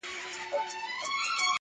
• یو شته من وو چي دوې لوڼي یې لرلې -